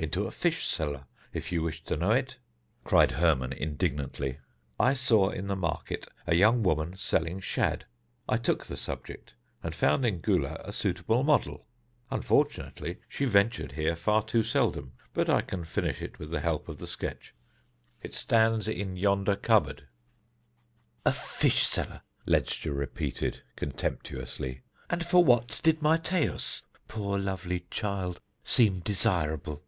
"Into a fish seller, if you wish to know it," cried Hermon indignantly. "I saw in the market a young woman selling shad. I took the subject, and found in Gula a suitable model. Unfortunately, she ventured here far too seldom. But I can finish it with the help of the sketch it stands in yonder cupboard." "A fish seller," Ledscha repeated contemptuously. "And for what did my Taus, poor lovely child, seem desirable?"